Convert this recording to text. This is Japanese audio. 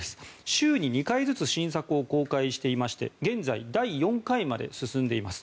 週に２回ずつ新作を公開していまして現在第４回まで進んでいます。